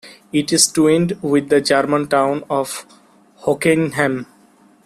It is twinned with the German town of Hockenheim.